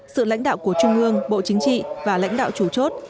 sự lãnh đạo của trung ương bộ chính trị và lãnh đạo chủ chốt